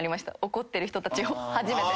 怒ってる人たちを初めて。